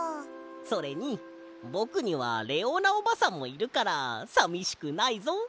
それにぼくにはレオーナおばさんもいるからさみしくないぞ。